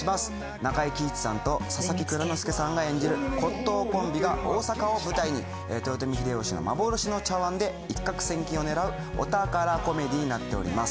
中井貴一さんと佐々木蔵之介さんが演じる骨董コンビが大阪を舞台に豊臣秀吉の幻の茶碗で一攫千金を狙うお宝コメディーになっております。